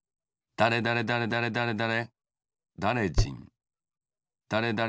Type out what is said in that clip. だれだれだれだれだれ